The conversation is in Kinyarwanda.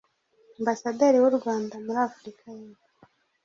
Ambasaderi w’u Rwanda muri Afurika y”Epfo